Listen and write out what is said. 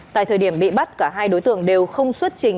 tại thời điểm bị bắt cả hai đối tượng đều không xuất trình